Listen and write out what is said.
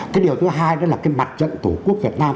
cái điều thứ hai đó là cái mặt trận tổ quốc việt nam